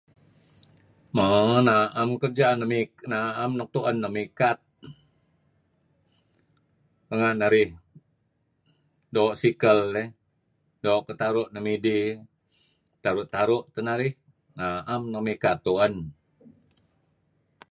Mo, na'em kerja, na'em nuk tu'en neh mikat renga' narih doo' sikel eh doo' ketaru' nuk midih eh, taru' taru' teh narih, na'em neh mukat tu'en.